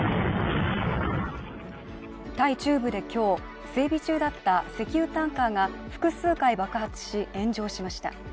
タイ中部で今日、整備中だった石油タンカーが複数回爆発し、炎上しました。